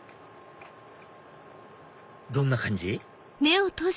どんな感じ？